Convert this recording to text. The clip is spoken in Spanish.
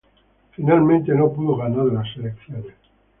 Finalmente no pudo ganar en las elecciones.